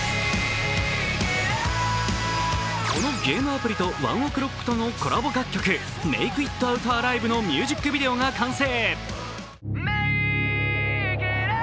このゲームアプリとＯＮＥＯＫＲＯＣＫとのコラボ楽曲「ＭａｋｅＩｔＯｕｔＡｌｉｖｅ」のミュージックビデオが完成。